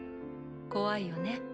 怖いよね。